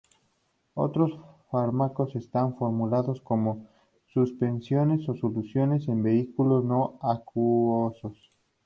Otros fármacos están formulados como suspensiones o soluciones en vehículos no acuosos.